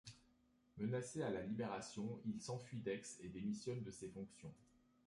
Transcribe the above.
Menacé à la libération, il s'enfuit d'Aix et démissionne de ses fonctions.